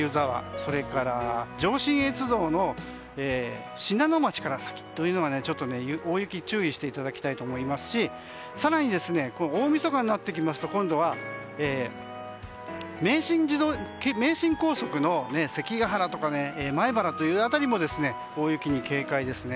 それから上信越道の信濃町から先というのは大雪に注意していただきたいと思いますし更に大みそかになってきますと今度は名神高速の関ケ原とか米原の辺りも大雪に警戒ですね。